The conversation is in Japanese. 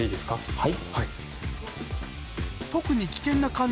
はい。